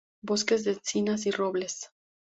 Bosques de encinas y robles.